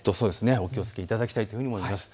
お気をつけいただきたいというふうに思います。